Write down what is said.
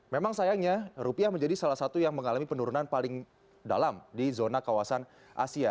memang sayangnya rupiah menjadi salah satu yang mengalami penurunan paling dalam di zona kawasan asia